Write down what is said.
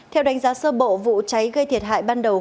theo đánh giá sơ bộ vụ cháy gây thiệt hại ban đầu